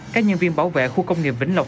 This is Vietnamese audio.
các nhân viên bảo vệ khu công nghiệp vĩnh lộc